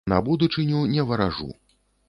На будучыню не варажу.